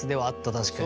確かに。